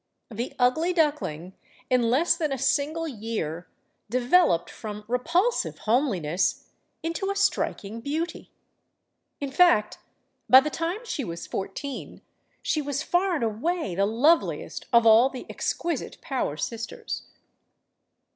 The ugly duckling, in less than a single year, developed from repulsive homeliness into a striking beauty. In fact, by the time she was fourteen, she was far and away the loveliest of all the "exquisite Power sisters."